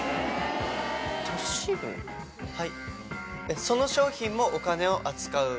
はい！